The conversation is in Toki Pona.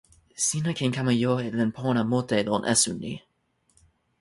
sina ken kama jo e len pona mute lon esun ni.